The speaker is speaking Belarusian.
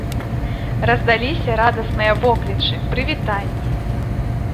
Раздаліся радасныя воклічы, прывітанні.